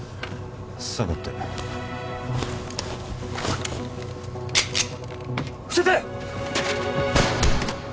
下がって伏せて！